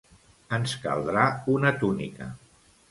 Ens caldrà una túnica.